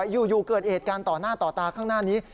อยู่เกิดเหตุการณ์ต่อหน้าต่อตาข้างหน้านี้